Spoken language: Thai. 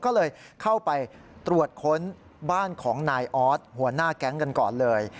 ก็เลยเข้าไปตรวจค้นบ้านของนายออสหัวหน้าแก๊งกันก่อนเลย